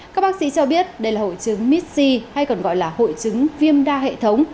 các bác sĩ cho biết đây là hội chứng missi hay còn gọi là hội chứng viêm đa hệ thống